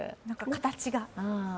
形が。